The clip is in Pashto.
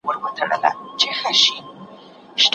د ميرويس خان نيکه په وخت کي د کرني حالت څنګه و؟